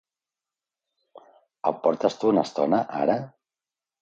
El portes tu una estona, ara?